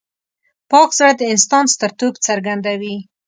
پاک زړه د انسان سترتوب څرګندوي.